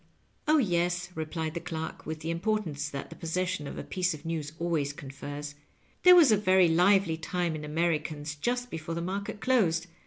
"Oh, yes," replied the clerk, with the importance that the possession of a piece of news always confers, "there was a very lively time in Americana just before the market closed.